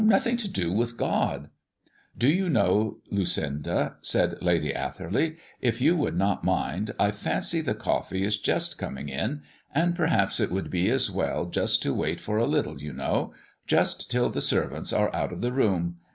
"Nothing to do with God." "Do you know, Lucinda," said Lady Atherley, "if you would not mind, I fancy the coffee is just coming in, and perhaps it would be as well just to wait for a little, you know just till the servants are out of the room?